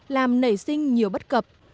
làm nảy sinh nhiều bất cập